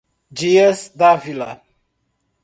Dias D´ávila